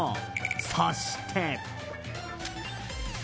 そして。